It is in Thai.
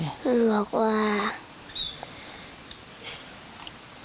ฝันเห็นมีคนจะไปเอาไปอยู่ด้วย